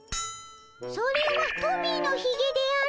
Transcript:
それはトミーのひげであろ。